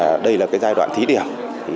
và chắc chắn rằng đây là giai đoạn thí điểm